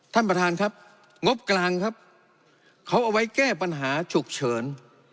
ท่านประธานครับงบกลางครับเขาเอาไว้แก้ปัญหาฉุกเฉิน